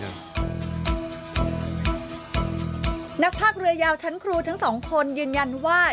นักภาคเรือยาวชั้นครูทั้งสองคนยืนยันว่า